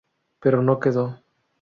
Pero no quedó.